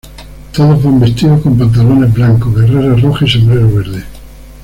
Todos van vestidos con pantalones blancos, guerrera roja y sombrero verde.